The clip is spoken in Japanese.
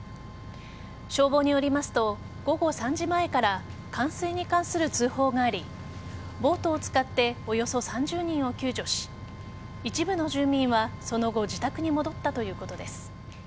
消防によりますと午後３時前から冠水に関する通報がありボートを使っておよそ３０人を救助し一部の住民はその後自宅に戻ったということです。